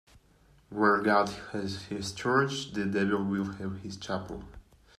Where God has his church, the devil will have his chapel.